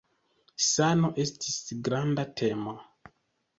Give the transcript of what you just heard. Sano estas granda temo.